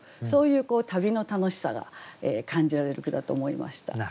そういう旅の楽しさが感じられる句だと思いました。